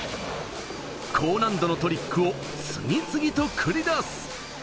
高難度のトリックを次々と繰り出す。